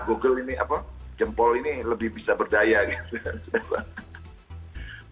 google ini jempol ini lebih bisa berjaya gitu